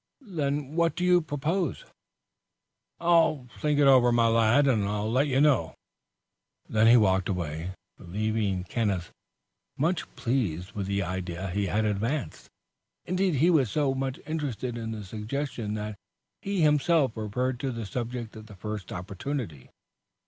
"Then what do you propose?" "I'll think it over, my lad, and let you know." Then he walked away, leaving Kenneth much pleased with the idea he had advanced. Indeed, he was so much interested in the suggestion that he himself referred to the subject at the first opportunity.